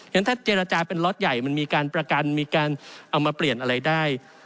งั้นถ้าเจรจาเป็นล็อตใหญ่มันมีการประกันมีการเอามาเปลี่ยนอะไรได้